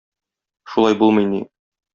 Шулай булмый ни?!